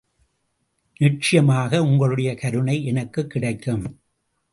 நிச்சயமாக, உங்களுடைய கருணை எனக்குக் கிடைக்கும்.